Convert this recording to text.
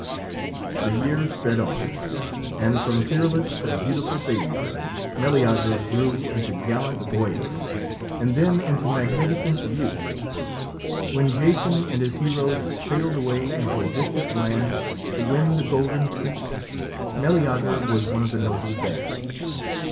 The years sped on, and from fearless and beautiful babyhood, Meleager grew into gallant boyhood, and then into magnificent youth. When Jason and his heroes sailed away into a distant land to win the Golden Fleece, Meleager was one of the noble band.